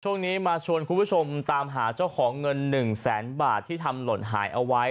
ช่วงนี้มาชวนคุณผู้ชมตามหาเจ้าของเงิน๑แสนบาทที่ทำหล่นหายเอาไว้